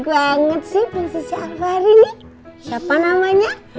gede banget sih prinsip syafari siapa namanya